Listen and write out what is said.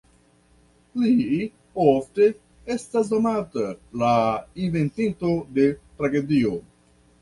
Li ofte estas nomata la ""Inventinto de Tragedio"".